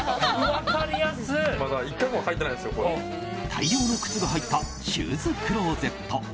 大量の靴が入ったシューズクローゼット。